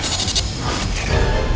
ya kita kembali ke sekolah